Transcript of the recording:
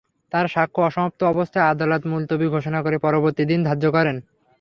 তাঁর সাক্ষ্য অসমাপ্ত অবস্থায় আদালত মুলতবি ঘোষণা করে পরবর্তী দিন ধার্য করেন।